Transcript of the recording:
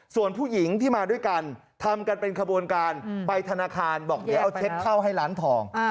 ส่วนผู้หญิงที่มาด้วยกันทำกันเป็นขบวนการไปธนาคารบอกเดี๋ยวเอาเช็คเข้าให้ร้านทอง